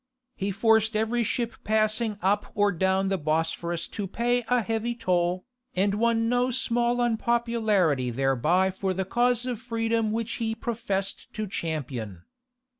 He forced every ship passing up or down the Bosphorus to pay a heavy toll, and won no small unpopularity thereby for the cause of freedom which he professed to champion.